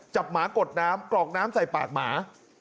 หมากดน้ำกรอกน้ำใส่ปากหมา